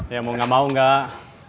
ya mau gak mau gak